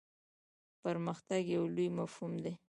پرمختګ یو لوی مفهوم دی.